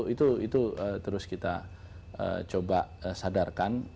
itu terus kita coba sadarkan